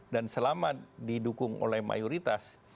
dan selama didukung oleh mayoritas